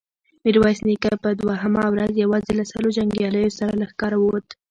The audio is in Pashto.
ميرويس نيکه په دوهمه ورځ يواځې له سلو جنګياليو سره له ښاره ووت.